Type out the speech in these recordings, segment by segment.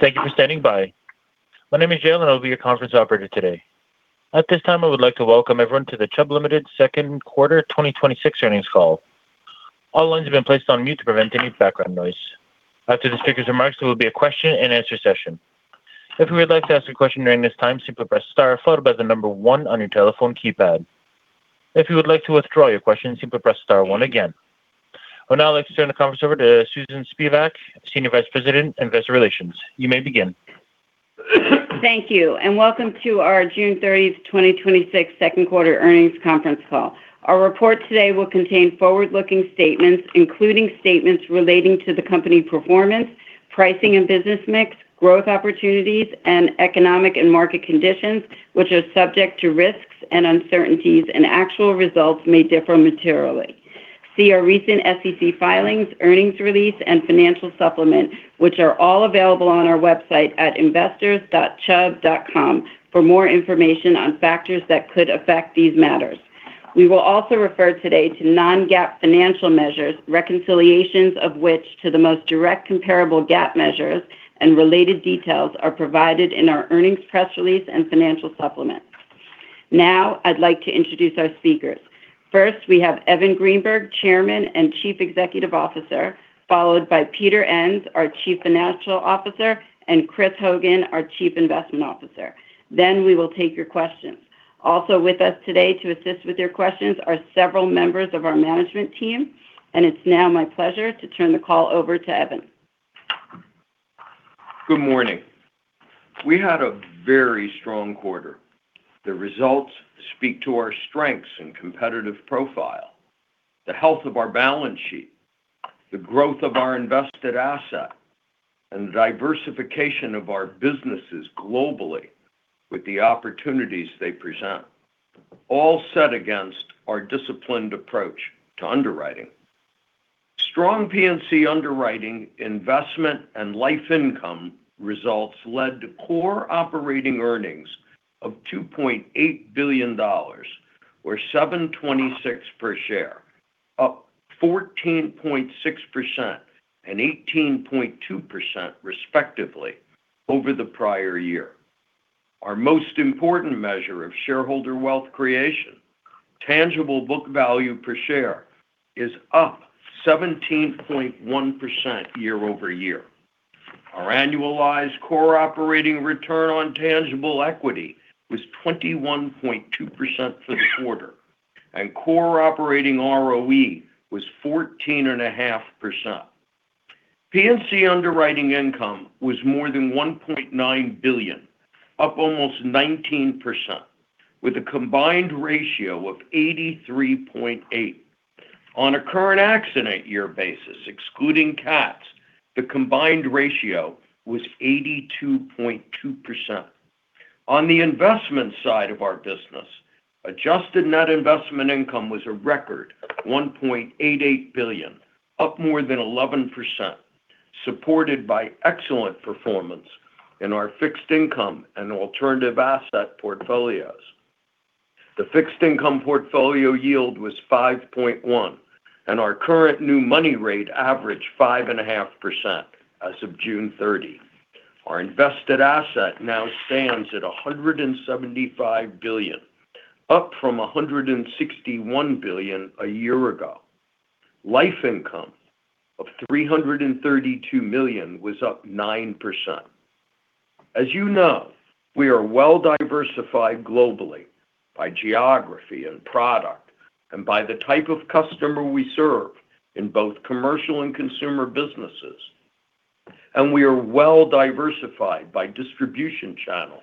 Thank you for standing by. My name is Jaylen, I'll be your conference operator today. At this time, I would like to welcome everyone to the Chubb Limited second quarter 2026 earnings call. All lines have been placed on mute to prevent any background noise. After the speaker's remarks, there will be a question-and-answer session. If you would like to ask a question during this time, simply press star followed by the number one on your telephone keypad. If you would like to withdraw your question, simply press star one again. I would now like to turn the conference over to Susan Spivak, Senior Vice President, Investor Relations. You may begin. Thank you, and welcome to our June 30th, 2026 second quarter earnings conference call. Our report today will contain forward-looking statements, including statements relating to the company performance, pricing and business mix, growth opportunities, and economic and market conditions, which are subject to risks and uncertainties, and actual results may differ materially. See our recent SEC filings, earnings release, and financial supplement, which are all available on our website at investors.chubb.com for more information on factors that could affect these matters. We will also refer today to non-GAAP financial measures, reconciliations of which to the most direct comparable GAAP measures and related details are provided in our earnings press release and financial supplement. Now I'd like to introduce our speakers. First, we have Evan Greenberg, Chairman and Chief Executive Officer, followed by Peter Enns, our Chief Financial Officer, and Chris Hogan, our Chief Investment Officer. We will take your questions. Also with us today to assist with your questions are several members of our management team, and it's now my pleasure to turn the call over to Evan. Good morning. We had a very strong quarter. The results speak to our strengths and competitive profile, the health of our balance sheet, the growth of our invested asset, and the diversification of our businesses globally with the opportunities they present, all set against our disciplined approach to underwriting. Strong P&C underwriting investment and life income results led to core operating earnings of $2.8 billion, or $7.26 per share, up 14.6% and 18.2% respectively over the prior year. Our most important measure of shareholder wealth creation, tangible book value per share, is up 17.1% year-over-year. Our annualized core operating return on tangible equity was 21.2% for the quarter, and core operating ROE was 14.5%. P&C underwriting income was more than $1.9 billion, up almost 19%, with a combined ratio of 83.8%. On a current accident year basis, excluding CATs, the combined ratio was 82.2%. On the investment side of our business, adjusted net investment income was a record $1.88 billion, up more than 11%, supported by excellent performance in our fixed income and alternative asset portfolios. The fixed income portfolio yield was 5.1% and our current new money rate averaged 5.5% as of June 30th. Our invested asset now stands at $175 billion, up from $161 billion a year ago. Life income of $332 million was up 9%. As you know, we are well diversified globally by geography and product, and by the type of customer we serve in both commercial and consumer businesses. We are well diversified by distribution channel,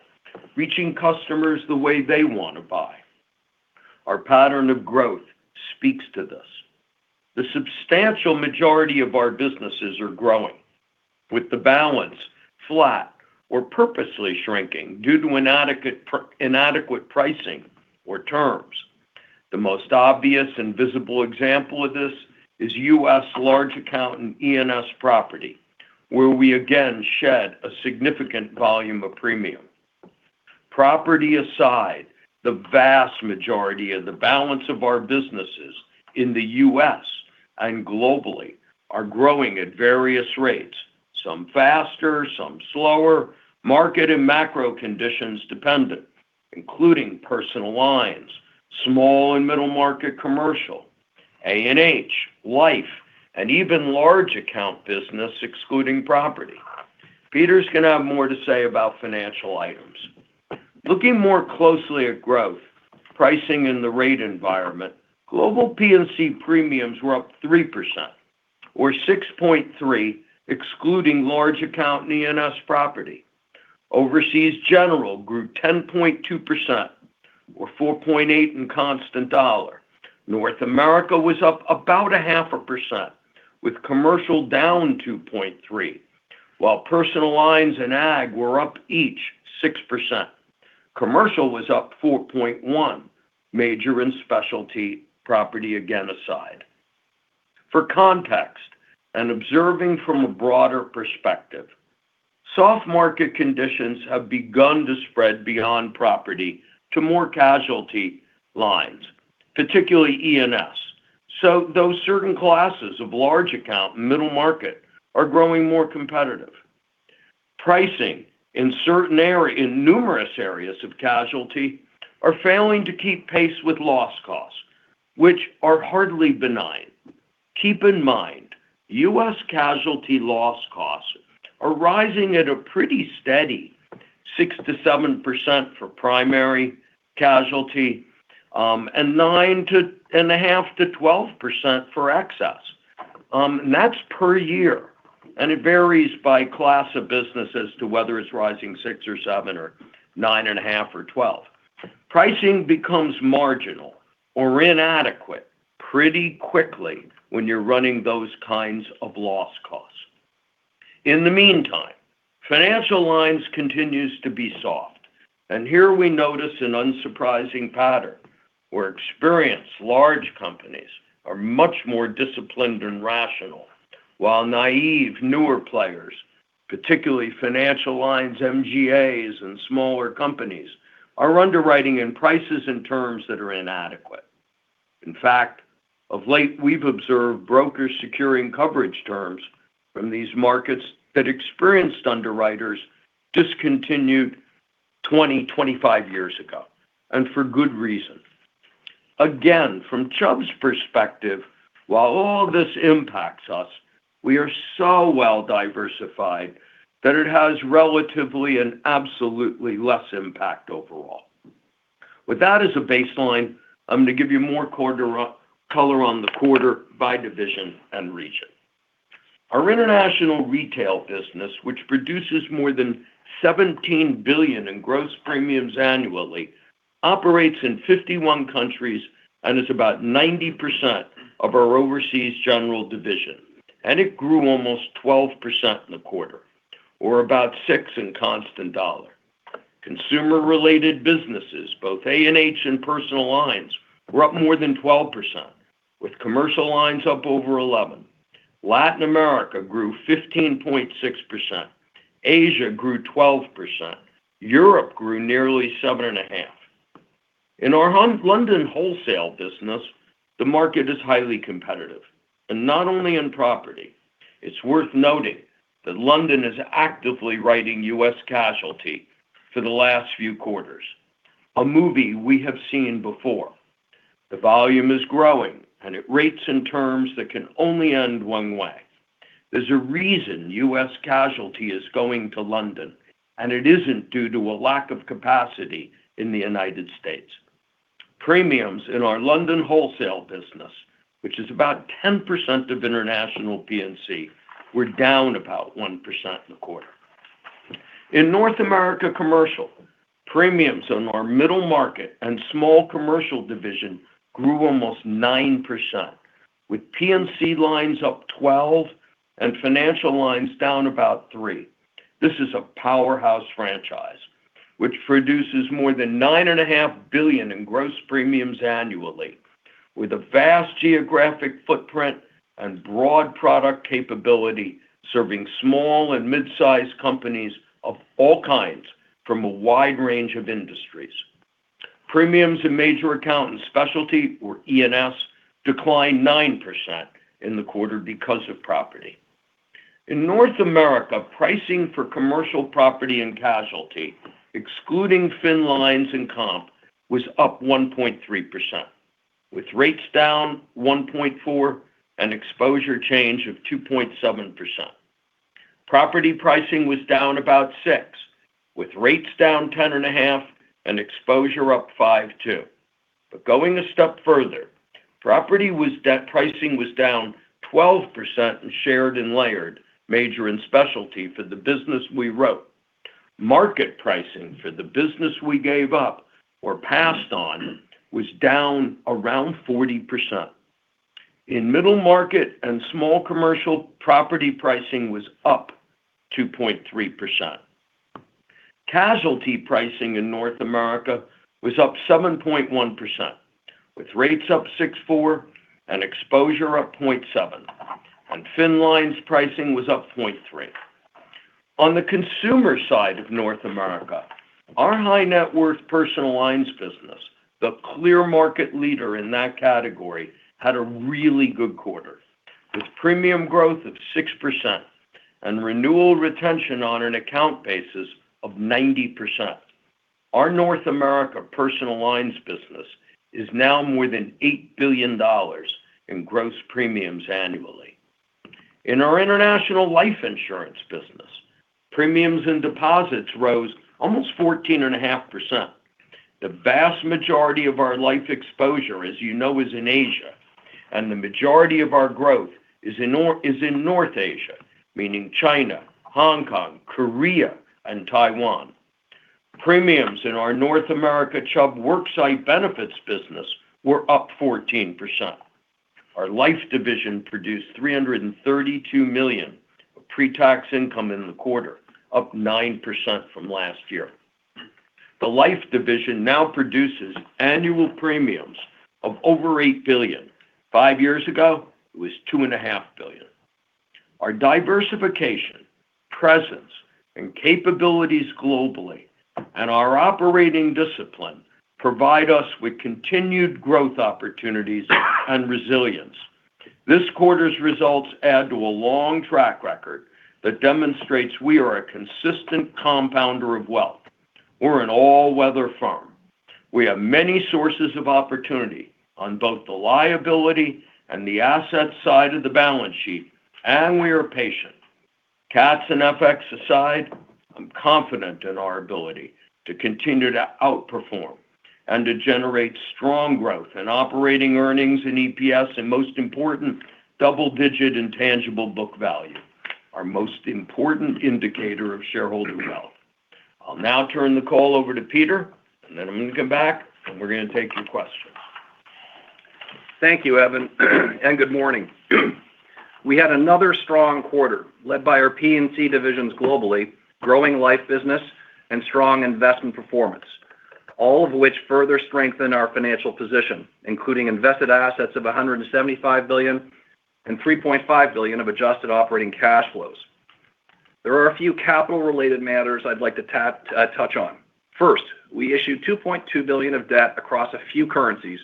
reaching customers the way they want to buy. Our pattern of growth speaks to this. The substantial majority of our businesses are growing, with the balance flat or purposely shrinking due to inadequate pricing or terms. The most obvious and visible example of this is U.S. large account and E&S property, where we again shed a significant volume of premium. Property aside, the vast majority of the balance of our businesses in the U.S. and globally are growing at various rates, some faster, some slower, market and macro conditions dependent, including personal lines, small and middle market commercial, A&H, life, and even large account business excluding property. Peter's going to have more to say about financial items. Looking more closely at growth, pricing in the rate environment, global P&C premiums were up 3%, or 6.3% excluding large account and E&S property. Overseas general grew 10.2%, or 4.8% in constant dollar. North America was up about 0.5%, with commercial down 2.3%, while personal lines and A&H were up each 6%. Commercial was up 4.1%, major and specialty property again aside. For context and observing from a broader perspective, soft market conditions have begun to spread beyond property to more casualty lines, particularly E&S. Those certain classes of large account and middle market are growing more competitive. Pricing in numerous areas of casualty are failing to keep pace with loss costs, which are hardly benign. Keep in mind, U.S. casualty loss costs are rising at a pretty steady 6%-7% for primary casualty, and 9.5%-12% for excess. That's per year, and it varies by class of business as to whether it's rising six or seven or 9.5 or 12. Pricing becomes marginal or inadequate pretty quickly when you're running those kinds of loss costs. In the meantime, financial lines continues to be soft. Here we notice an unsurprising pattern where experienced large companies are much more disciplined and rational, while naive newer players, particularly financial lines, MGAs, and smaller companies, are underwriting in prices and terms that are inadequate. In fact, of late, we've observed brokers securing coverage terms from these markets that experienced underwriters discontinued 20, 25 years ago, and for good reason. Again, from Chubb's perspective, while all this impacts us, we are so well-diversified that it has relatively and absolutely less impact overall. With that as a baseline, I'm going to give you more color on the quarter by division and region. Our international retail business, which produces more than $17 billion in gross premiums annually, operates in 51 countries and is about 90% of our overseas general division. It grew almost 12% in the quarter, or about six in constant dollar. Consumer-related businesses, both A&H and personal lines, were up more than 12%, with commercial lines up over 11%. Latin America grew 15.6%. Asia grew 12%. Europe grew nearly 7.5%. In our London wholesale business, the market is highly competitive, and not only in property. It's worth noting that London is actively writing U.S. casualty for the last few quarters, a movie we have seen before. The volume is growing, and it rates in terms that can only end one way. There's a reason U.S. casualty is going to London, and it isn't due to a lack of capacity in the United States. Premiums in our London wholesale business, which is about 10% of international P&C, were down about 1% in the quarter. In North America Commercial, premiums on our middle market and small commercial division grew almost 9%, with P&C lines up 12% and financial lines down about 3%. This is a powerhouse franchise which produces more than $9.5 billion in gross premiums annually with a vast geographic footprint and broad product capability, serving small and mid-size companies of all kinds from a wide range of industries. Premiums in major account and specialty, or E&S, declined 9% in the quarter because of property. In North America, pricing for commercial property and casualty, excluding fin lines and comp, was up 1.3%, with rates down 1.4% and exposure change of 2.7%. Property pricing was down about 6%, with rates down 10.5% and exposure up 5.2%. Going a step further, property pricing was down 12% in shared and layered, major and specialty for the business we wrote. Market pricing for the business we gave up or passed on was down around 40%. In middle market and small commercial, property pricing was up 2.3%. Casualty pricing in North America was up 7.1%, with rates up 6.4% and exposure up 0.7%. Fin lines pricing was up 0.3%. On the consumer side of North America, our high net worth personal lines business, the clear market leader in that category, had a really good quarter, with premium growth of 6% and renewal retention on an account basis of 90%. Our North America personal lines business is now more than $8 billion in gross premiums annually. In our international life insurance business, premiums and deposits rose almost 14.5%. The vast majority of our life exposure, as you know, is in Asia, and the majority of our growth is in North Asia, meaning China, Hong Kong, Korea, and Taiwan. Premiums in our North America Chubb Worksite Benefits business were up 14%. Our life division produced $332 million of pre-tax income in the quarter, up 9% from last year. The life division now produces annual premiums of over $8 billion. Five years ago, it was $2.5 billion. Our diversification, presence, and capabilities globally and our operating discipline provide us with continued growth opportunities and resilience. This quarter's results add to a long track record that demonstrates we are a consistent compounder of wealth. We're an all-weather firm. We have many sources of opportunity on both the liability and the asset side of the balance sheet, and we are patient. CATs and FX aside, I'm confident in our ability to continue to outperform and to generate strong growth in operating earnings and EPS, and most important, double-digit and tangible book value, our most important indicator of shareholder wealth. I'll now turn the call over to Peter, and then I'm going to come back, and we're going to take your questions. Thank you, Evan, and good morning. We had another strong quarter led by our P&C divisions globally, growing life business, and strong investment performance, all of which further strengthen our financial position, including invested assets of $175 billion and $3.5 billion of adjusted operating cash flows. There are a few capital-related matters I'd like to touch on. First, we issued $2.2 billion of debt across a few currencies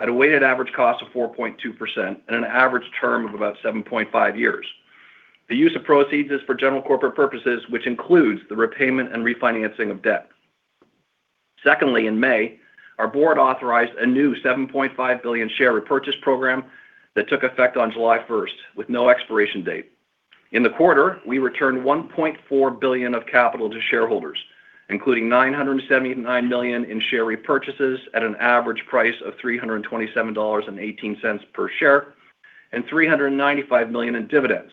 at a weighted average cost of 4.2% and an average term of about 7.5 years. The use of proceeds is for general corporate purposes, which includes the repayment and refinancing of debt. Secondly, in May, our board authorized a new 7.5 billion share repurchase program that took effect on July 1st with no expiration date. In the quarter, we returned $1.4 billion of capital to shareholders, including $979 million in share repurchases at an average price of $327.18 per share and $395 million in dividends.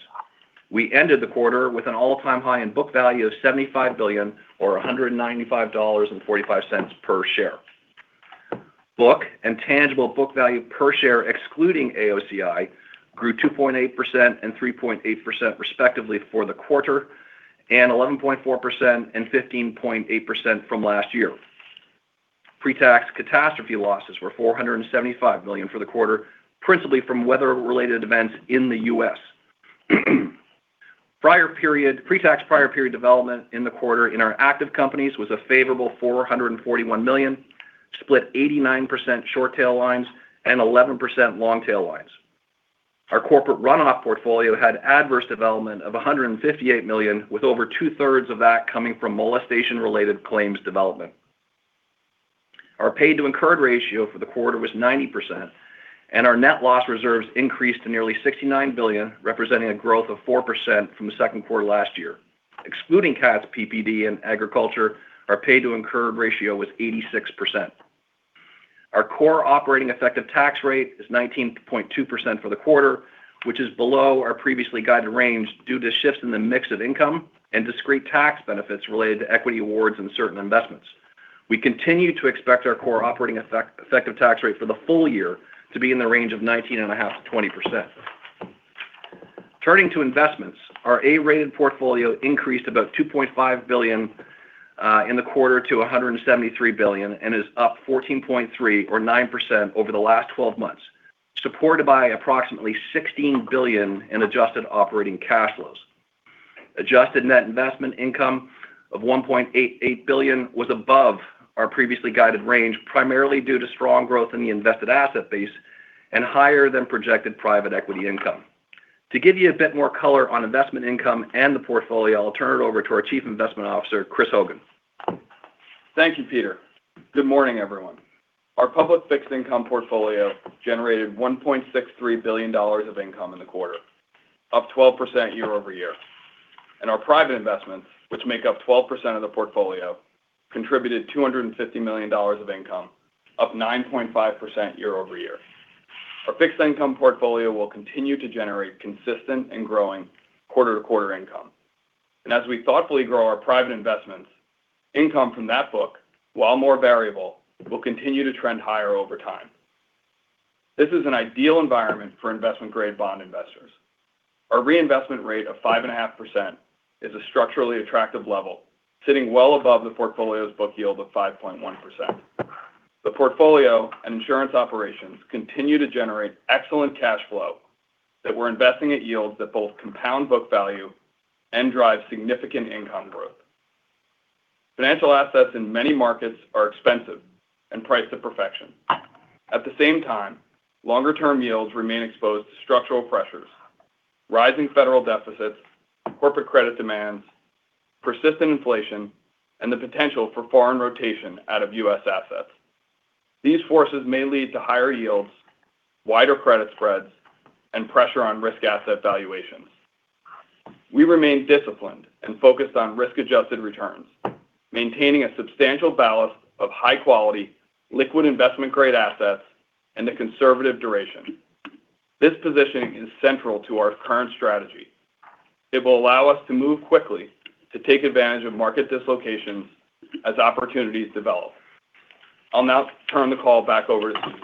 We ended the quarter with an all-time high in book value of $75 billion or $195.45 per share. Book and tangible book value per share excluding AOCI grew 2.8% and 3.8% respectively for the quarter, and 11.4% and 15.8% from last year. Pre-tax catastrophe losses were $475 million for the quarter, principally from weather-related events in the U.S. Pre-tax prior period development in the quarter in our active companies was a favorable $441 million, split 89% short tail lines and 11% long tail lines. Our corporate runoff portfolio had adverse development of $158 million, with over two-thirds of that coming from molestation-related claims development. Our paid to incurred ratio for the quarter was 90%, and our net loss reserves increased to nearly $69 billion, representing a growth of 4% from the second quarter last year. Excluding CATs, PPD, and agriculture, our paid to incurred ratio was 86%. Our core operating effective tax rate is 19.2% for the quarter, which is below our previously guided range due to shifts in the mix of income and discrete tax benefits related to equity awards and certain investments. We continue to expect our core operating effective tax rate for the full year to be in the range of 19.5%-20%. Turning to investments, our A-rated portfolio increased about $2.5 billion in the quarter to $173 billion and is up 14.3% or 9% over the last 12 months, supported by approximately $16 billion in adjusted operating cash flows. Adjusted net investment income of $1.88 billion was above our previously guided range, primarily due to strong growth in the invested asset base and higher than projected private equity income. To give you a bit more color on investment income and the portfolio, I'll turn it over to our Chief Investment Officer, Chris Hogan. Thank you, Peter. Good morning, everyone. Our public fixed income portfolio generated $1.63 billion of income in the quarter, up 12% year-over-year. Our private investments, which make up 12% of the portfolio, contributed $250 million of income, up 9.5% year-over-year. Our fixed income portfolio will continue to generate consistent and growing quarter-to-quarter income. As we thoughtfully grow our private investments, income from that book, while more variable, will continue to trend higher over time. This is an ideal environment for investment-grade bond investors. Our reinvestment rate of 5.5% is a structurally attractive level, sitting well above the portfolio's book yield of 5.1%. The portfolio and insurance operations continue to generate excellent cash flow that we're investing at yields that both compound book value and drive significant income growth. Financial assets in many markets are expensive and priced to perfection. At the same time, longer-term yields remain exposed to structural pressures, rising federal deficits, corporate credit demands, persistent inflation, and the potential for foreign rotation out of U.S. assets. These forces may lead to higher yields, wider credit spreads, and pressure on risk asset valuations. We remain disciplined and focused on risk-adjusted returns, maintaining a substantial ballast of high-quality liquid investment-grade assets and a conservative duration. This positioning is central to our current strategy. It will allow us to move quickly to take advantage of market dislocations as opportunities develop. I'll now turn the call back over to Susan.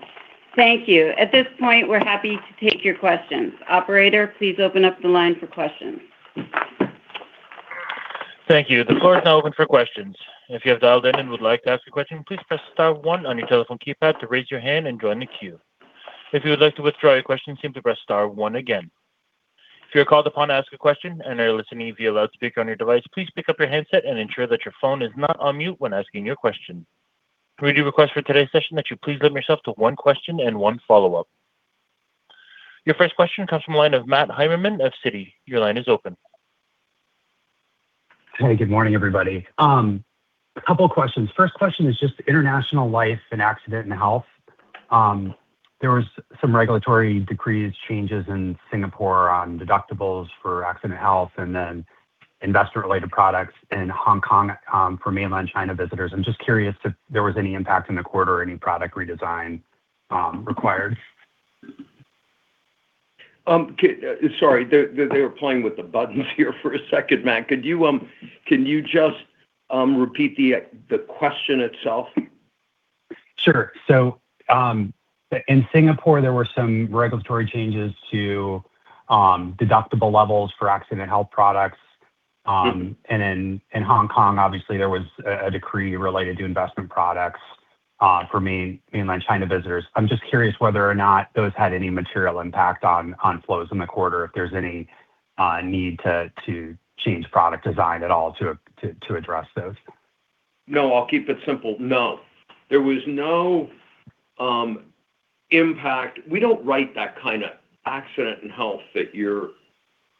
Thank you. At this point, we're happy to take your questions. Operator, please open up the line for questions. Thank you. The floor is now open for questions. If you have dialed in and would like to ask a question, please press star one on your telephone keypad to raise your hand and join the queue. If you would like to withdraw your question, simply press star one again. If you're called upon to ask a question and are listening via loudspeaker on your device, please pick up your handset and ensure that your phone is not on mute when asking your question. We do request for today's session that you please limit yourself to one question and one follow-up. Your first question comes from the line of Matt Heimermann of Citi. Your line is open. Hey, good morning, everybody. A couple of questions. First question is just International Life & Accident and Health. There was some regulatory decrees changes in Singapore on deductibles for accident health and then investor-related products in Hong Kong for mainland China visitors. I'm just curious if there was any impact in the quarter or any product redesign required. Sorry. They were playing with the buttons here for a second, Matt. Can you just repeat the question itself? Sure. In Singapore, there were some regulatory changes to deductible levels for accident health products. In Hong Kong, obviously, there was a decree related to investment products for mainland China visitors. I'm just curious whether or not those had any material impact on flows in the quarter, if there's any need to change product design at all to address those. No, I'll keep it simple. No. There was no impact. We don't write that kind of accident in health that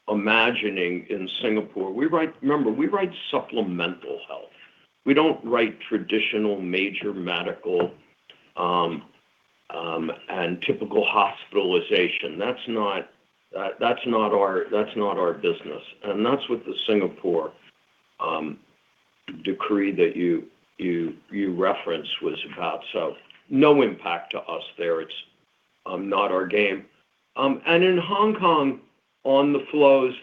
you're imagining in Singapore. Remember, we write supplemental health. We don't write traditional major medical and typical hospitalization. That's not our business. That's what the Singapore decree that you referenced was about. No impact to us there. It's not our game. In Hong Kong, on the flows,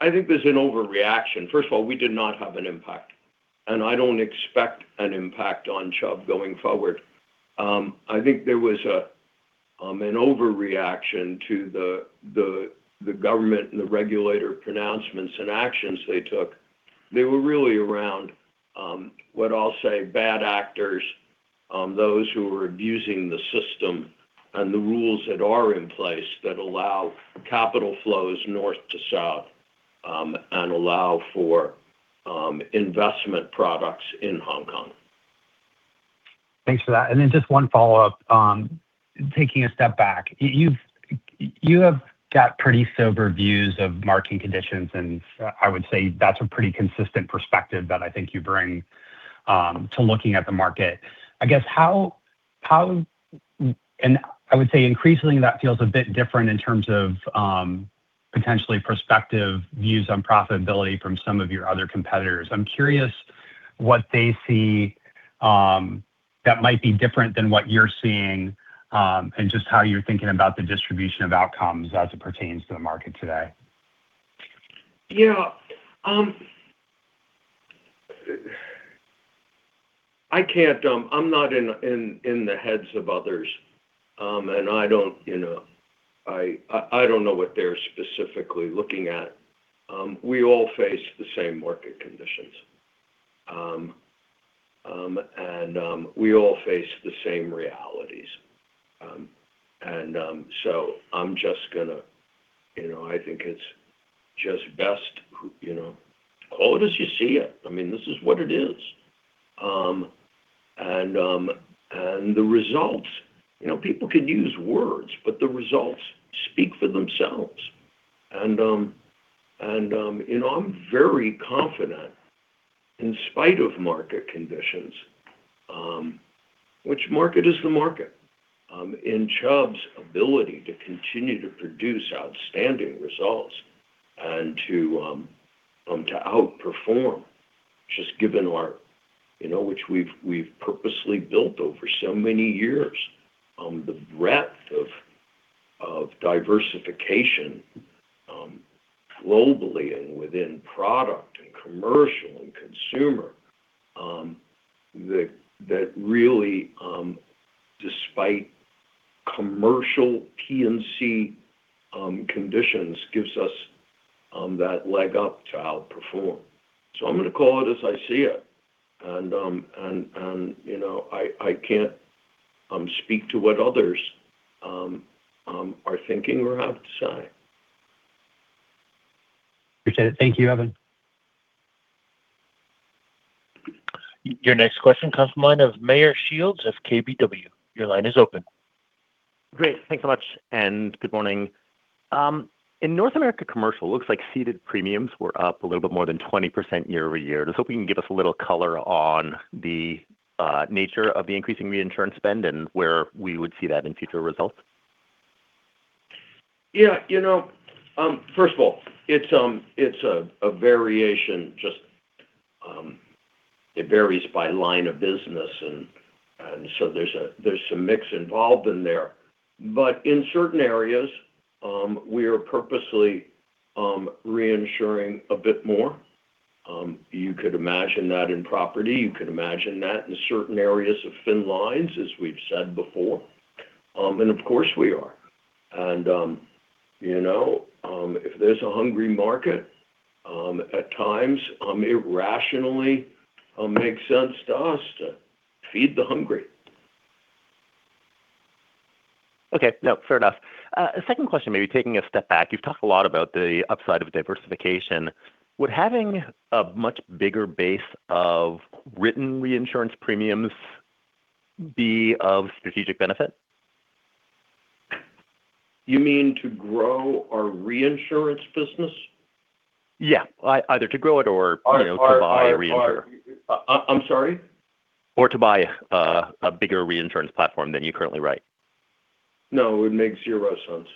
I think there's an overreaction. First of all, we did not have an impact. I don't expect an impact on Chubb going forward. I think there was an overreaction to the government and the regulator pronouncements and actions they took. They were really around, what I'll say, bad actors, those who were abusing the system, and the rules that are in place that allow capital flows north to south, and allow for investment products in Hong Kong. Thanks for that. Then just one follow-up. Taking a step back. You have got pretty sober views of market conditions, and I would say that's a pretty consistent perspective that I think you bring to looking at the market. I guess, I would say increasingly that feels a bit different in terms of potentially prospective views on profitability from some of your other competitors. I'm curious what they see that might be different than what you're seeing, and just how you're thinking about the distribution of outcomes as it pertains to the market today. Yeah. I'm not in the heads of others. I don't know what they're specifically looking at. We all face the same market conditions. We all face the same realities. I think it's just best, call it as you see it. This is what it is. The results, people can use words, but the results speak for themselves. I'm very confident, in spite of market conditions, which market is the market, in Chubb's ability to continue to produce outstanding results and to outperform just given our, you know which we've purposely built over so many years the breadth of diversification globally and within product and commercial and consumer. That really, despite commercial P&C conditions gives us that leg up to outperform. I'm going to call it as I see it. I can't speak to what others are thinking or have to say. Appreciate it. Thank you, Evan. Your next question comes from the line of Meyer Shields of KBW. Your line is open. Great. Thanks so much, and good morning. In North America Commercial, looks like ceded premiums were up a little bit more than 20% year-over-year. Just hoping you can give us a little color on the nature of the increasing reinsurance spend and where we would see that in future results. Yeah. First of all, it's a variation. It varies by line of business. There's some mix involved in there. In certain areas, we are purposely reinsuring a bit more. You could imagine that in property, you could imagine that in certain areas of fin lines, as we've said before. Of course we are. If there's a hungry market, at times, irrationally, makes sense to us to feed the hungry. Okay. No, fair enough. Second question, maybe taking a step back. You've talked a lot about the upside of diversification. Would having a much bigger base of written reinsurance premiums be of strategic benefit? You mean to grow our reinsurance business? Yeah. Either to grow it or to buy a reinsurer. I'm sorry? To buy a bigger reinsurance platform than you currently write. No, it makes zero sense.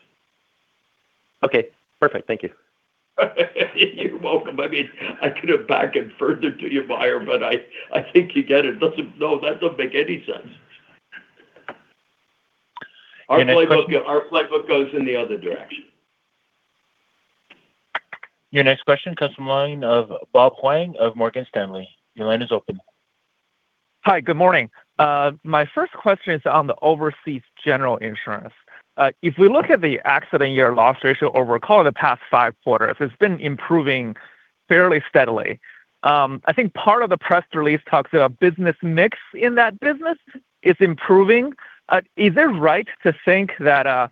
Okay, perfect. Thank you. You're welcome. I could have backed it further to you, Meyer, but I think you get it. No, that doesn't make any sense. Your next question. Our playbook goes in the other direction. Your next question, custom line of Bob Huang of Morgan Stanley. Your line is open. Hi, good morning. My first question is on the overseas general insurance. If we look at the accident year loss ratio over, call it the past five quarters, it's been improving fairly steadily. I think part of the press release talks about business mix in that business is improving. Is it right to think that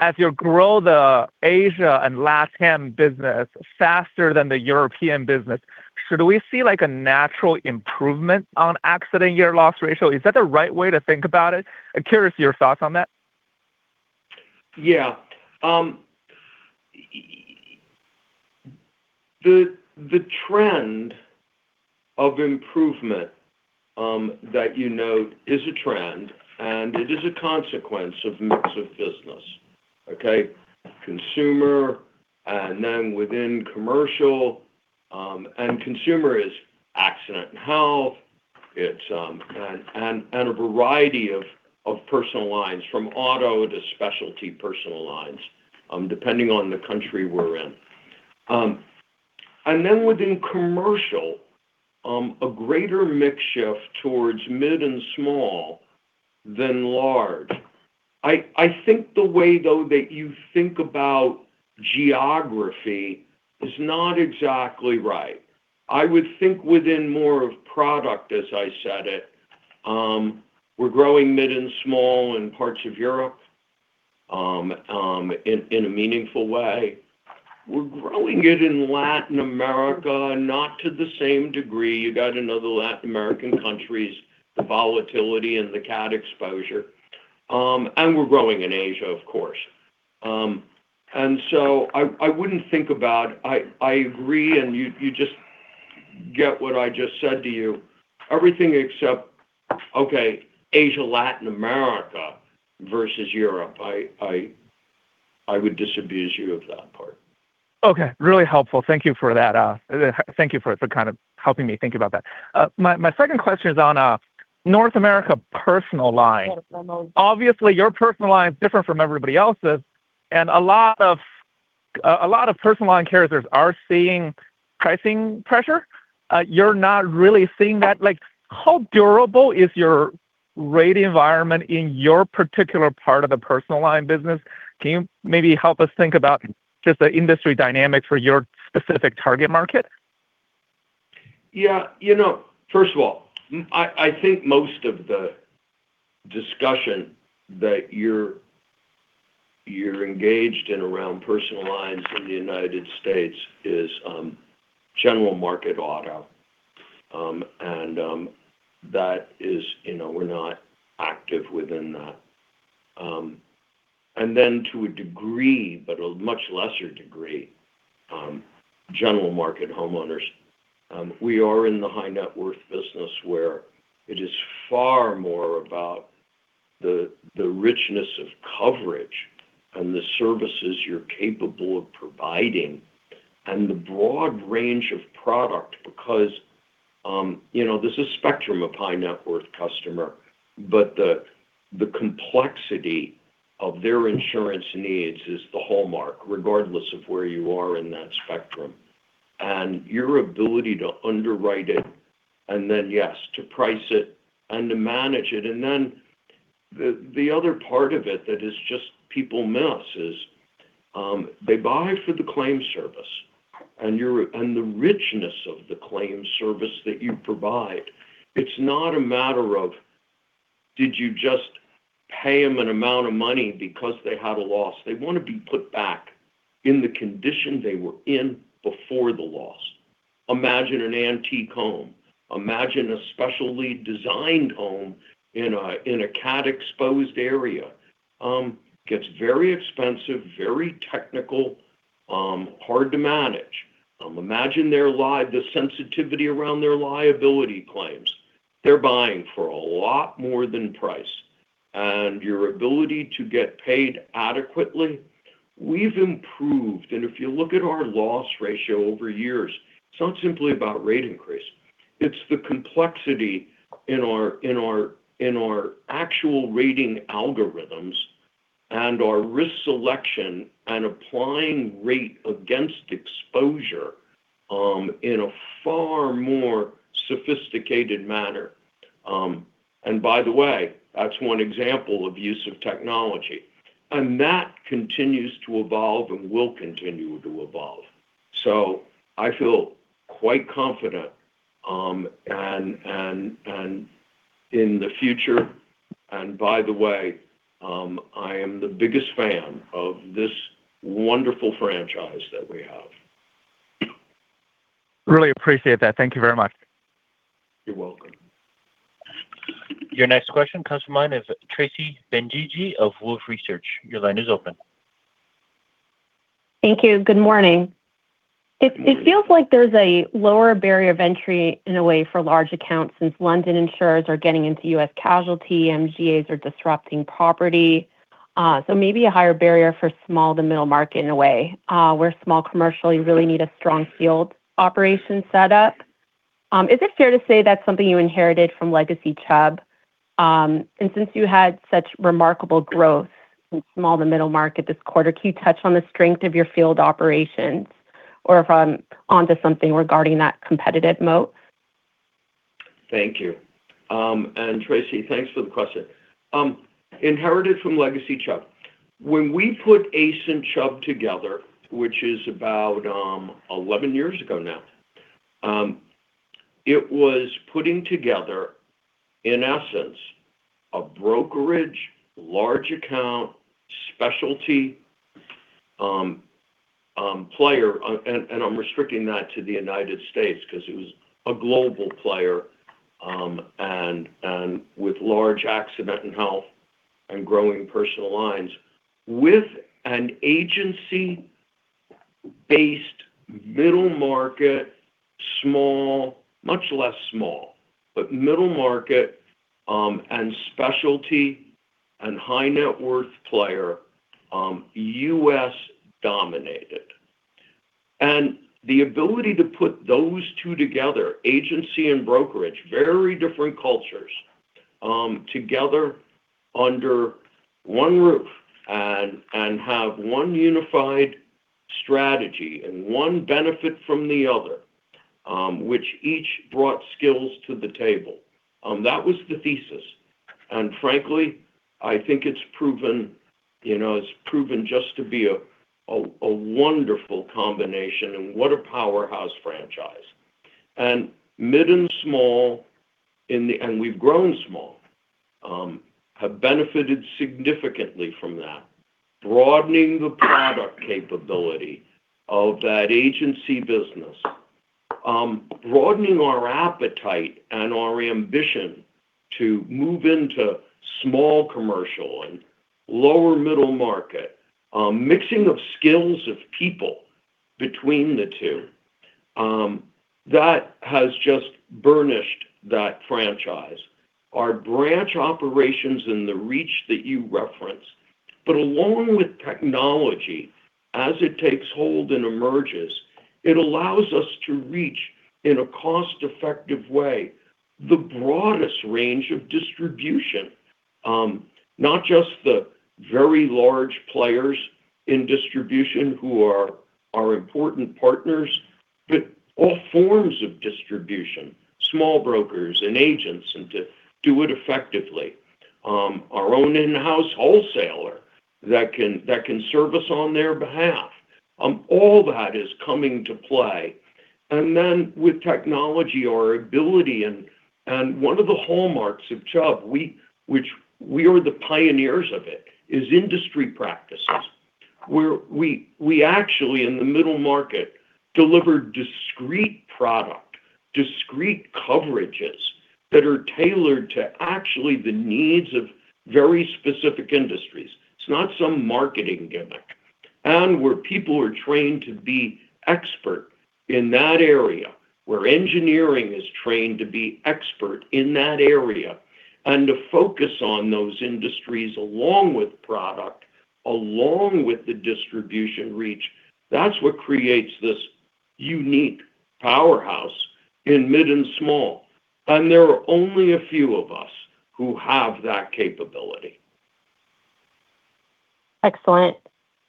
as you grow the Asia and LatAm business faster than the European business, should we see a natural improvement on accident year loss ratio? Is that the right way to think about it? Curious your thoughts on that. Yeah. The trend of improvement that you note is a trend, and it is a consequence of mix of business. Okay? Consumer, then within commercial. Consumer is accident and health. It's a variety of personal lines from auto to specialty personal lines, depending on the country we're in. Then within commercial, a greater mix shift towards mid and small than large. I think the way, though, that you think about geography is not exactly right. I would think within more of product as I said it. We're growing mid and small in parts of Europe in a meaningful way. We're growing it in Latin America, not to the same degree. You got to know the Latin American countries, the volatility and the cat exposure. We're growing in Asia, of course. I agree, you just get what I just said to you. Everything except, okay, Asia, Latin America versus Europe. I would disabuse you of that part. Okay. Really helpful. Thank you for that. Thank you for helping me think about that. My second question is on North America personal line. Obviously, your personal line is different from everybody else's, and a lot of personal line carriers are seeing pricing pressure. You're not really seeing that. How durable is your rate environment in your particular part of the personal line business? Can you maybe help us think about just the industry dynamics for your specific target market? Yeah. First of all, I think most of the discussion that you're engaged in around personal lines in the U.S. is general market auto. We're not active within that. To a degree, but a much lesser degree, general market homeowners. We are in the high net worth business where it is far more about the richness of coverage and the services you're capable of providing and the broad range of product because there's a spectrum of high net worth customer, but the complexity of their insurance needs is the hallmark, regardless of where you are in that spectrum. Your ability to underwrite it, then yes, to price it and to manage it. The other part of it that is just people miss is they buy for the claim service and the richness of the claim service that you provide. It's not a matter of did you just pay them an amount of money because they had a loss. They want to be put back in the condition they were in before the loss. Imagine an antique home. Imagine a specially designed home in a cat-exposed area. Gets very expensive, very technical, hard to manage. Imagine the sensitivity around their liability claims. They're buying for a lot more than price. Your ability to get paid adequately, we've improved. If you look at our loss ratio over years, it's not simply about rate increase. It's the complexity in our actual rating algorithms and our risk selection and applying rate against exposure in a far more sophisticated manner. By the way, that's one example of use of technology, and that continues to evolve and will continue to evolve. I feel quite confident in the future, and by the way, I am the biggest fan of this wonderful franchise that we have. Really appreciate that. Thank you very much. You're welcome. Your next question comes from line of Tracy Benguigui of Wolfe Research. Your line is open. Thank you. Good morning. It feels like there's a lower barrier of entry in a way for large accounts since London insurers are getting into U.S. casualty, MGAs are disrupting property. Maybe a higher barrier for small to middle market in a way, where small commercial, you really need a strong field operation set up. Is it fair to say that's something you inherited from legacy Chubb? Since you had such remarkable growth from small to middle market this quarter, can you touch on the strength of your field operations or if I'm onto something regarding that competitive moat? Thank you. Tracy, thanks for the question. Inherited from legacy Chubb. When we put ACE and Chubb together, which is about 11 years ago now, it was putting together, in essence, a brokerage large account specialty player, I'm restricting that to the U.S. because it was a global player, with large accident in health and growing personal lines with an agency-based middle market, small, much less small, but middle market, and specialty and high net worth player, U.S. dominated. The ability to put those two together, agency and brokerage, very different cultures, together under one roof and have one unified strategy and one benefit from the other, which each brought skills to the table. That was the thesis. Frankly, I think it's proven just to be a wonderful combination and what a powerhouse franchise. Mid and small, we've grown small, have benefited significantly from that. Broadening the product capability of that agency business. Broadening our appetite and our ambition to move into small commercial and lower middle market. Mixing of skills of people between the two. That has just burnished that franchise. Our branch operations and the reach that you reference. Along with technology as it takes hold and emerges, it allows us to reach, in a cost-effective way, the broadest range of distribution. Not just the very large players in distribution who are our important partners, but all forms of distribution, small brokers and agents, and to do it effectively. Our own in-house wholesaler that can serve us on their behalf. All that is coming to play. With technology, our ability, and one of the hallmarks of Chubb, which we are the pioneers of it, is industry practices, where we actually in the middle market deliver discrete product, discrete coverages that are tailored to actually the needs of very specific industries. It's not some marketing gimmick. Where people are trained to be expert in that area, where engineering is trained to be expert in that area, to focus on those industries along with product, along with the distribution reach. That's what creates this unique powerhouse in mid and small. There are only a few of us who have that capability. Excellent.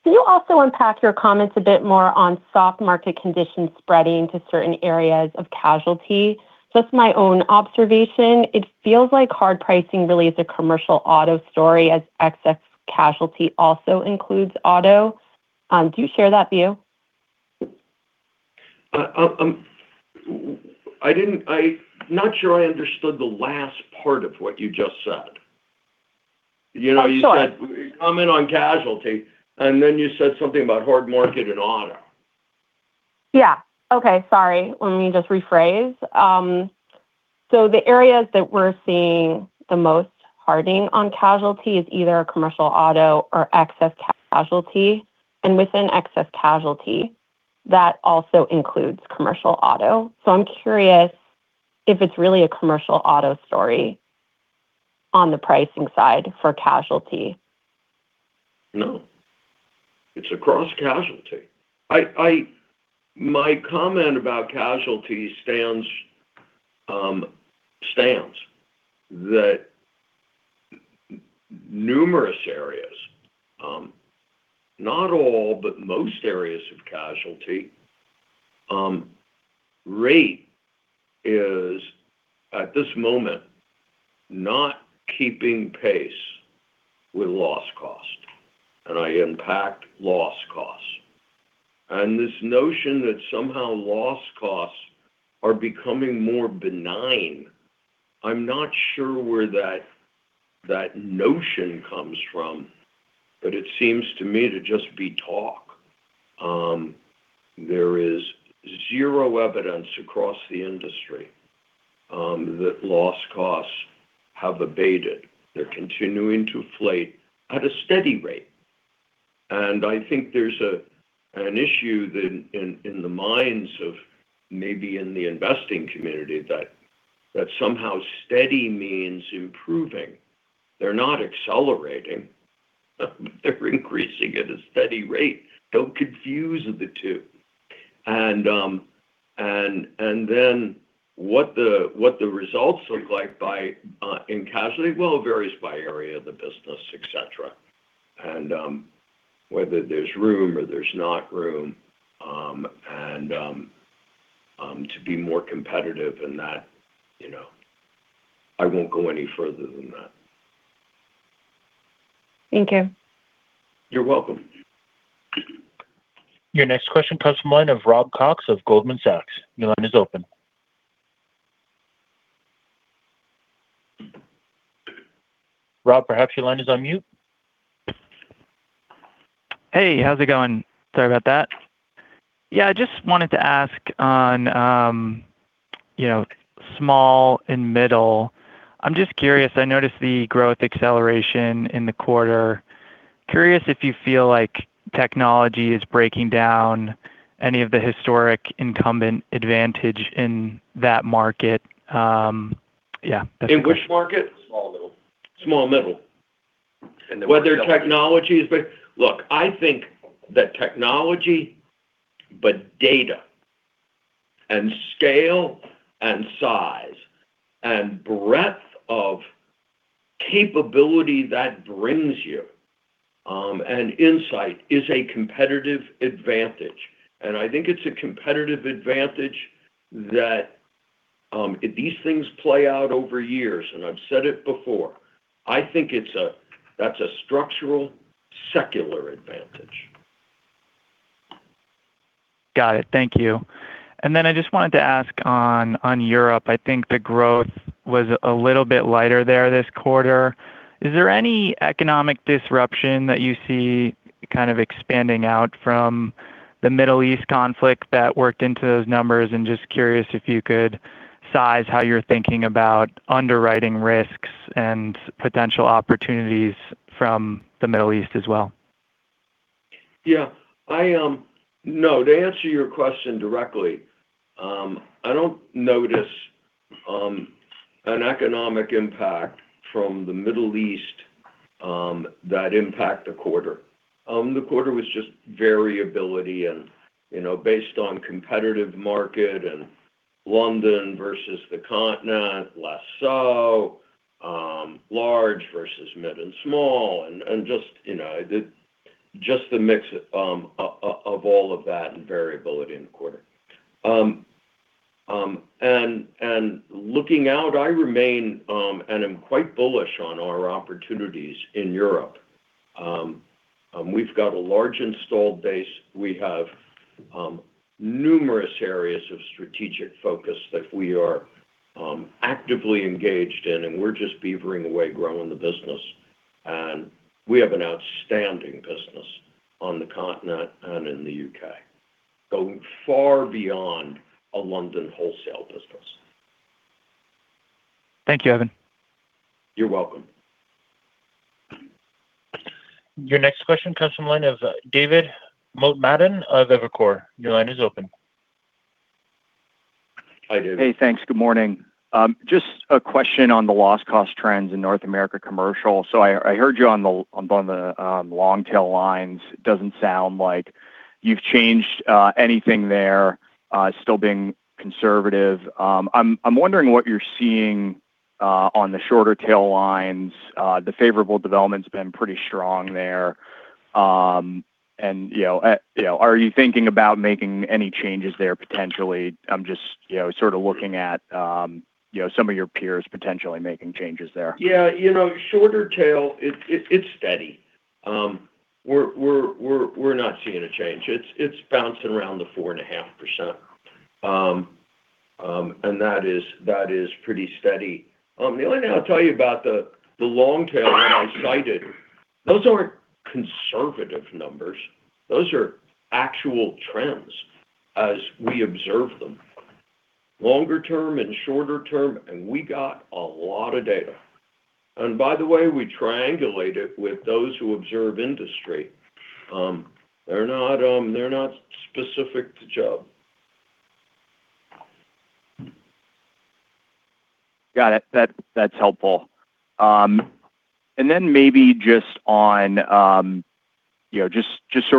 Can you also unpack your comments a bit more on soft market conditions spreading to certain areas of casualty? Just my own observation, it feels like hard pricing really is a commercial auto story as excess casualty also includes auto. Do you share that view? I'm not sure I understood the last part of what you just said. You said comment on casualty, you said something about hard market and auto. Yeah. Okay, sorry. Let me just rephrase. The areas that we're seeing the most hardening on casualty is either commercial auto or excess casualty, within excess casualty, that also includes commercial auto. I'm curious if it's really a commercial auto story on the pricing side for casualty. No It's across casualty. My comment about casualty stands that numerous areas, not all, but most areas of casualty rate is, at this moment, not keeping pace with loss cost. I impact loss costs. This notion that somehow loss costs are becoming more benign, I'm not sure where that notion comes from, but it seems to me to just be talk. There is zero evidence across the industry that loss costs have abated. They're continuing to inflate at a steady rate. I think there's an issue in the minds of maybe in the investing community that somehow steady means improving. They're not accelerating, but they're increasing at a steady rate. Don't confuse the two. What the results look like in casualty, well, it varies by area of the business, et cetera, and whether there's room or there's not room, and to be more competitive and that. I won't go any further than that. Thank you. You're welcome. Your next question comes from the line of Rob Cox of Goldman Sachs. Your line is open. Rob, perhaps your line is on mute. Hey, how's it going? Sorry about that. Yeah, I just wanted to ask on small and middle. I'm just curious, I noticed the growth acceleration in the quarter. Curious if you feel like technology is breaking down any of the historic incumbent advantage in that market. Yeah. In which market? Small, middle. Small, middle. Look, I think that technology, but data and scale and size and breadth of capability that brings you, and insight is a competitive advantage. I think it's a competitive advantage that these things play out over years, and I've said it before. I think that's a structural, secular advantage. Got it. Thank you. I just wanted to ask on Europe, I think the growth was a little bit lighter there this quarter. Is there any economic disruption that you see kind of expanding out from the Middle East conflict that worked into those numbers? Curious if you could size how you're thinking about underwriting risks and potential opportunities from the Middle East as well. No, to answer your question directly, I don't notice an economic impact from the Middle East that impact the quarter. The quarter was just variability and based on competitive market and London versus the Continent, less so. Large versus mid and small, and just the mix of all of that and variability in the quarter. Looking out, I remain and am quite bullish on our opportunities in Europe. We've got a large installed base. We have numerous areas of strategic focus that we are actively engaged in, and we're just beavering away growing the business. We have an outstanding business on the Continent and in the U.K., going far beyond a London wholesale business. Thank you, Evan. You're welcome. Your next question comes from the line of David Motemaden of Evercore. Your line is open. Hi, David. Hey, thanks. Good morning. Just a question on the loss cost trends in North America commercial. I heard you on the long-tail lines. It doesn't sound like you've changed anything there, still being conservative. I'm wondering what you're seeing on the shorter tail lines. The favorable development's been pretty strong there. Are you thinking about making any changes there potentially? I'm just sort of looking at some of your peers potentially making changes there. Yeah. Shorter tail, it's steady. We're not seeing a change. It's bouncing around the 4.5%. That is pretty steady. The only thing I'll tell you about the long tail- I cited, those aren't conservative numbers. Those are actual trends as we observe them, longer term and shorter term, and we got a lot of data. By the way, we triangulate it with those who observe industry. They're not specific to Chubb Got it. That's helpful. Then maybe just sort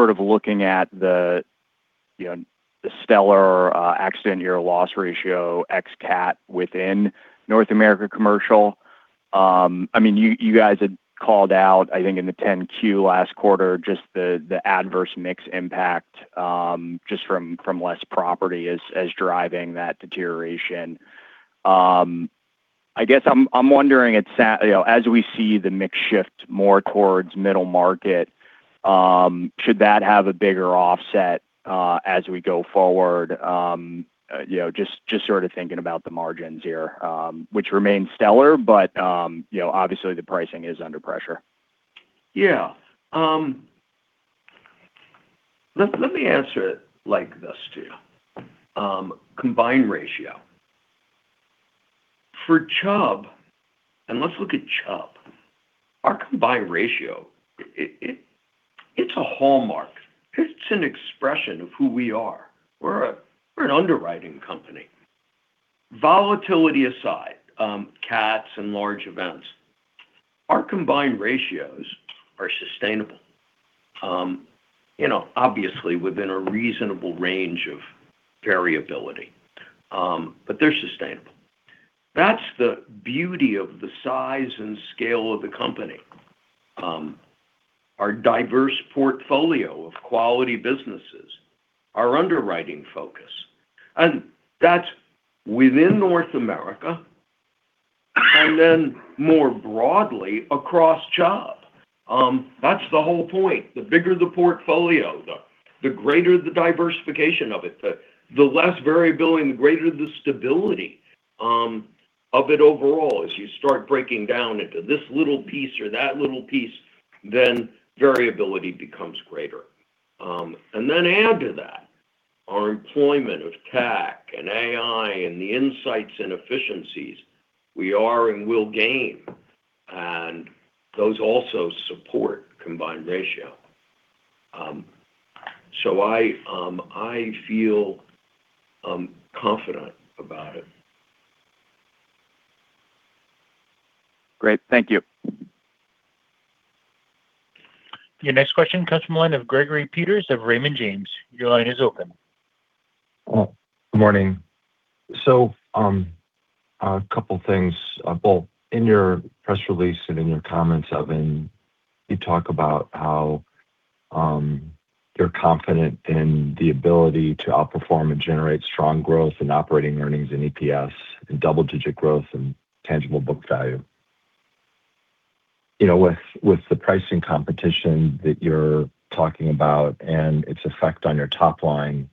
of looking at the stellar accident year loss ratio ex CAT within North America Commercial. You guys had called out, I think, in the 10-Q last quarter, just the adverse mix impact just from less property as driving that deterioration. I guess I'm wondering, as we see the mix shift more towards middle market, should that have a bigger offset as we go forward? Just sort of thinking about the margins here, which remain stellar, but obviously the pricing is under pressure. Let me answer it like this, too. Combined ratio. For Chubb, let's look at Chubb, our combined ratio, it's a hallmark. It's an expression of who we are. We're an underwriting company. Volatility aside, CATs and large events, our combined ratios are sustainable. Obviously, within a reasonable range of variability, but they're sustainable. That's the beauty of the size and scale of the company. Our diverse portfolio of quality businesses, our underwriting focus, that's within North America and then more broadly across Chubb. That's the whole point. The bigger the portfolio, the greater the diversification of it, the less variability and the greater the stability of it overall. As you start breaking down into this little piece or that little piece, then variability becomes greater. Then add to that our employment of tech and AI and the insights and efficiencies we are and will gain, and those also support combined ratio. I feel confident about it. Great. Thank you. Your next question comes from the line of Gregory Peters of Raymond James. Your line is open. Good morning. A couple things. Both in your press release and in your comments, Evan, you talk about how you're confident in the ability to outperform and generate strong growth in operating earnings and EPS and double-digit growth and tangible book value. With the pricing competition that you're talking about and its effect on your top line,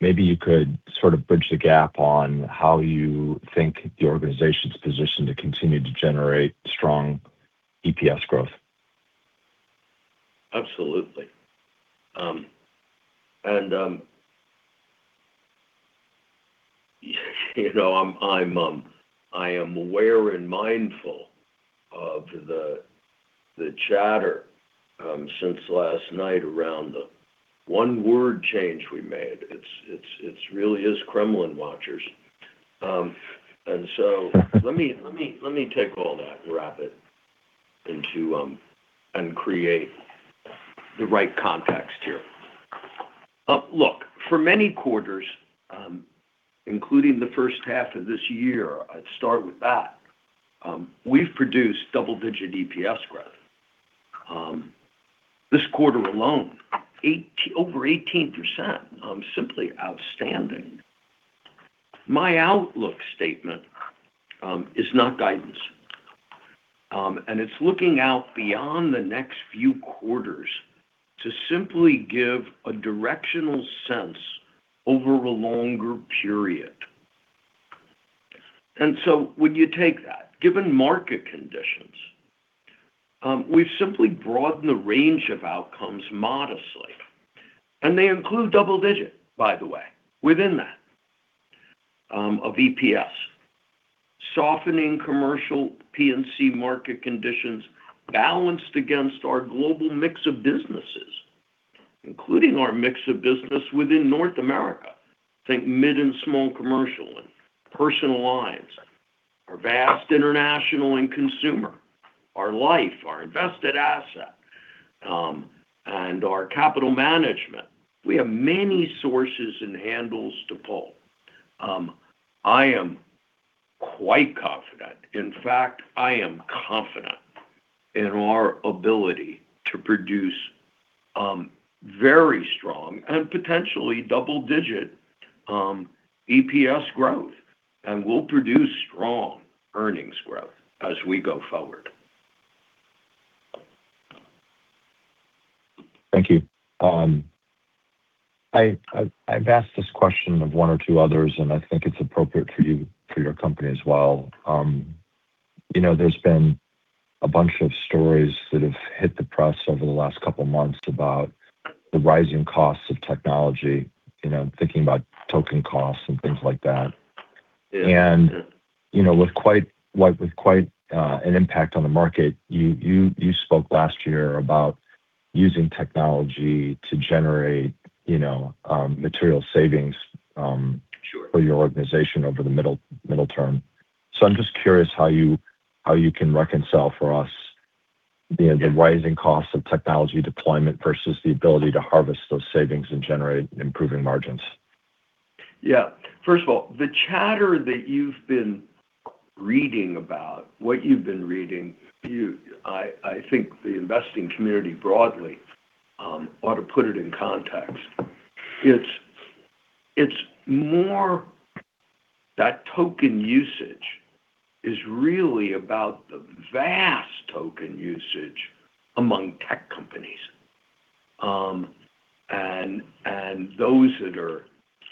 maybe you could sort of bridge the gap on how you think the organization's positioned to continue to generate strong EPS growth. Absolutely. I am aware and mindful of the chatter since last night around the one-word change we made. It really is Kremlin watchers. Let me take all that and wrap it and create the right context here. Look, for many quarters, including the first half of this year, I'd start with that. We've produced double-digit EPS growth. This quarter alone, over 18%. Simply outstanding. My outlook statement is not guidance. It's looking out beyond the next few quarters to simply give a directional sense over a longer period. When you take that, given market conditions, we've simply broadened the range of outcomes modestly, and they include double-digit, by the way, within that of EPS. Softening commercial P&C market conditions balanced against our global mix of businesses, including our mix of business within North America. Think mid and small commercial and personal lines, our vast international and consumer, our life, our invested asset, and our capital management. We have many sources and handles to pull. I am quite confident. In fact, I am confident in our ability to produce very strong and potentially double-digit EPS growth, and we'll produce strong earnings growth as we go forward. Thank you. I've asked this question of one or two others, and I think it's appropriate for your company as well. There's been a bunch of stories that have hit the press over the last couple of months about the rising costs of technology, thinking about token costs and things like that. Yeah. With quite an impact on the market. You spoke last year about using technology to generate material savings. Sure. For your organization over the middle term. I'm just curious how you can reconcile for us the rising costs of technology deployment versus the ability to harvest those savings and generate improving margins. Yeah. First of all, the chatter that you've been reading about, what you've been reading, I think the investing community broadly ought to put it in context. It's more that token usage is really about the vast token usage among tech companies. Those that are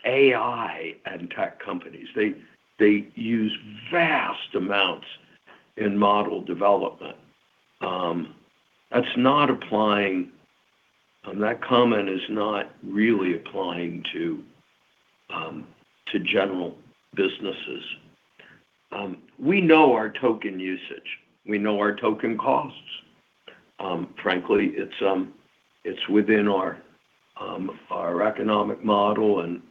AI and tech companies, they use vast amounts in model development. That comment is not really applying to general businesses. We know our token usage. We know our token costs. Frankly, it's within our economic model and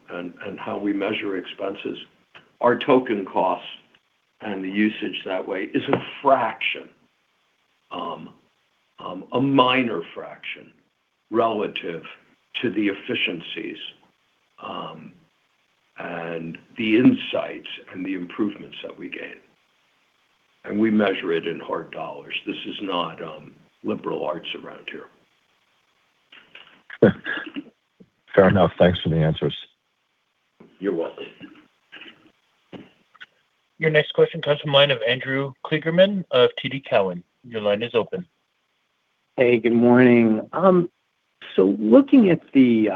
how we measure expenses. Our token costs and the usage that way is a fraction, a minor fraction relative to the efficiencies, and the insights, and the improvements that we gain. We measure it in hard dollars. This is not liberal arts around here. Fair enough. Thanks for the answers. You're welcome. Your next question comes from the line of Andrew Kligerman of TD Cowen. Your line is open. Hey, good morning. Looking at the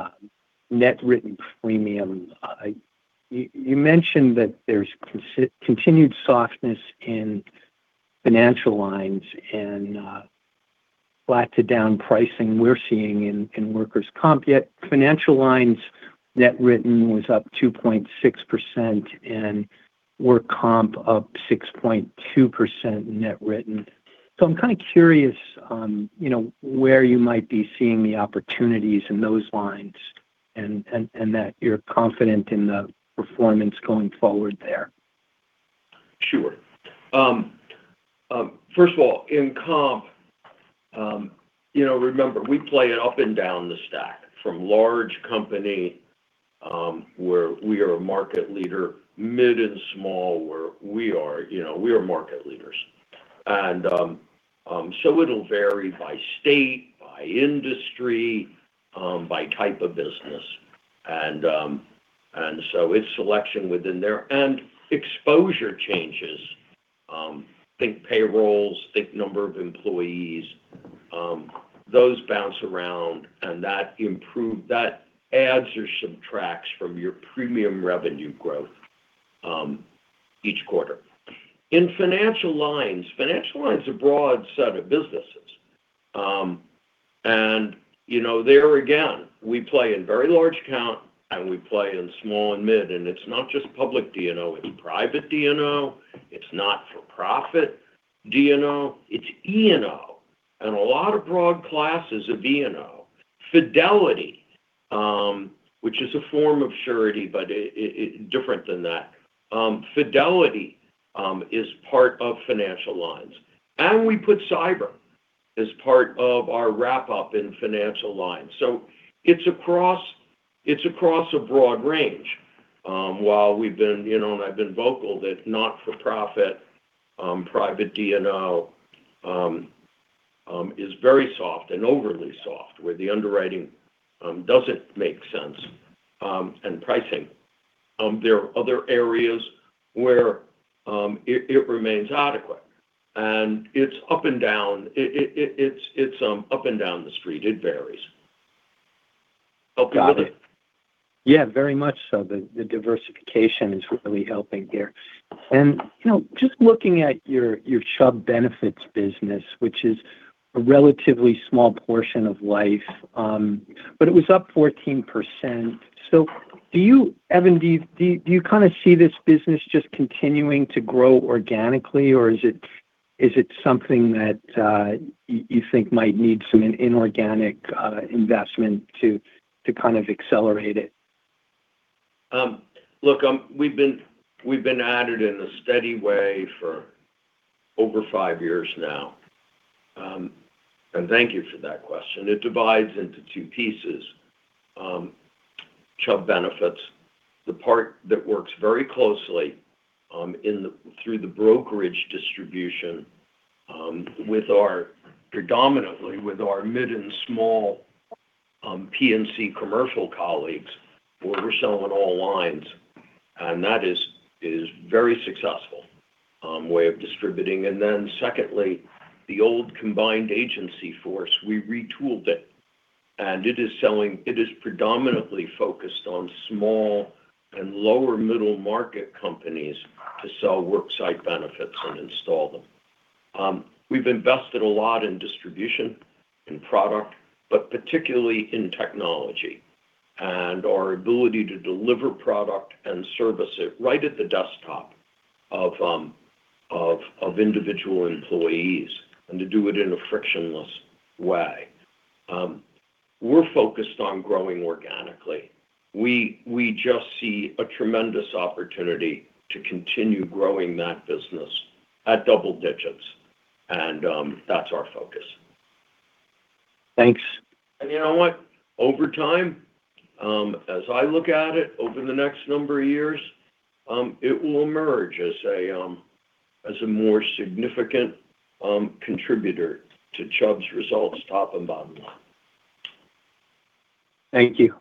net written premium, you mentioned that there's continued softness in financial lines and flat to down pricing we're seeing in workers' comp, yet financial lines net written was up 2.6% and work comp up 6.2% net written. I'm kind of curious on where you might be seeing the opportunities in those lines and that you're confident in the performance going forward there. Sure. First of all, in comp, remember, we play up and down the stack from large company, where we are a market leader, mid and small, where we are market leaders. So it'll vary by state, by industry, by type of business, and so it's selection within there. Exposure changes, think payrolls, think number of employees, those bounce around and that adds or subtracts from your premium revenue growth each quarter. In financial lines, financial line's a broad set of businesses. There again, we play in very large count and we play in small and mid, and it's not just public D&O, it's private D&O, it's not for profit D&O, it's E&O, and a lot of broad classes of E&O. Fidelity, which is a form of surety, but different than that. Fidelity is part of financial lines. We put cyber as part of our wrap-up in financial lines. It's across a broad range. While we've been, and I've been vocal that not for profit, private D&O is very soft and overly soft where the underwriting doesn't make sense, and pricing. There are other areas where it remains adequate. It's up and down the street. It varies. Got it. Heard. Yeah, very much so. The diversification is really helping there. Just looking at your Chubb Benefits business, which is a relatively small portion of life, but it was up 14%. Evan, do you kind of see this business just continuing to grow organically or is it something that you think might need some inorganic investment to kind of accelerate it? Look, we've been at it in a steady way for over five years now. Thank you for that question. It divides into two pieces. Chubb Benefits, the part that works very closely through the brokerage distribution predominantly with our mid and small P&C commercial colleagues, where we're selling all lines. That is very successful way of distributing. Secondly, the old combined agency force, we retooled it, and it is predominantly focused on small and lower middle market companies to sell Worksite Benefits and install them. We've invested a lot in distribution and product, particularly in technology and our ability to deliver product and service it right at the desktop of individual employees and to do it in a frictionless way. We're focused on growing organically. We just see a tremendous opportunity to continue growing that business at double digits, and that's our focus. Thanks. You know what? Over time, as I look at it over the next number of years, it will emerge as a more significant contributor to Chubb's results, top and bottom line. Thank you.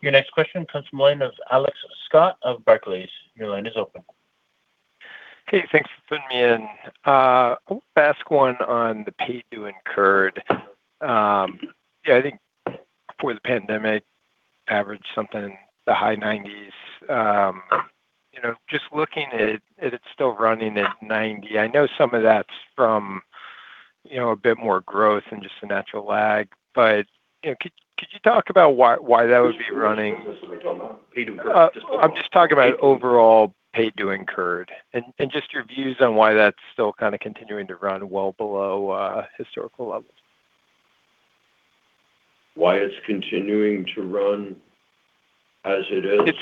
Your next question comes from the line of Alex Scott of Barclays. Your line is open. Okay, thanks for putting me in. I want to ask one on the paid to incurred. Yeah, I think before the pandemic averaged something in the high 90s. Just looking at it's still running at 90. I know some of that's from a bit more growth and just the natural lag. Could you talk about why that would be running. Which reserves are we talking about? Paid to incurred? I'm just talking about overall paid to incurred, and just your views on why that's still continuing to run well below historical levels. Why it's continuing to run as it is?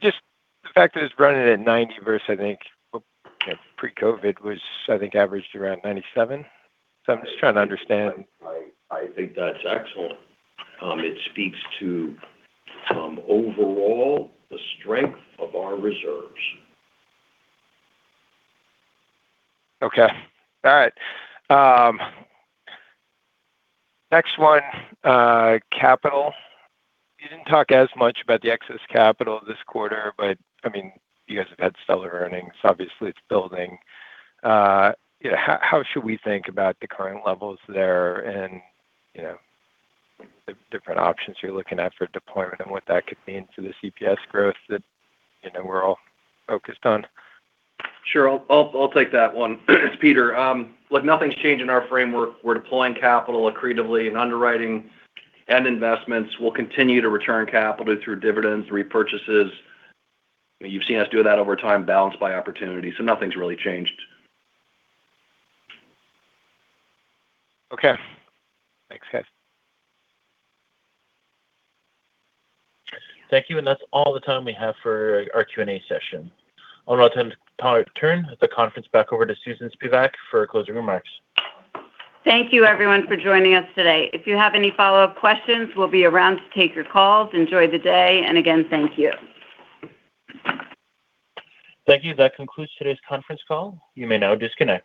Just the fact that it's running at 90 versus I think pre-COVID, which I think averaged around 97. I'm just trying to understand. I think that's excellent. It speaks to overall the strength of our reserves. Okay. All right. Next one, capital. You didn't talk as much about the excess capital this quarter, you guys have had stellar earnings. Obviously, it's building. How should we think about the current levels there and the different options you're looking at for deployment and what that could mean for the EPS growth that we're all focused on? Sure. I'll take that one. It's Peter. Look, nothing's changed in our framework. We're deploying capital accretively in underwriting and investments. We'll continue to return capital through dividends, repurchases. You've seen us do that over time, balanced by opportunity. Nothing's really changed. Okay. Thanks, guys. Thank you. That's all the time we have for our Q&A session. I'll now turn the conference back over to Susan Spivak for closing remarks. Thank you everyone for joining us today. If you have any follow-up questions, we'll be around to take your calls. Enjoy the day. Again, thank you. Thank you. That concludes today's conference call. You may now disconnect.